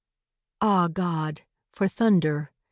Ah, God! for thunder!